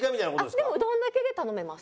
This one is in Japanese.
でもうどんだけで頼めます。